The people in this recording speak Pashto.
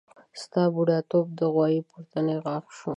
ستا بډاتوب د غوايي پورتنی غاښ شو.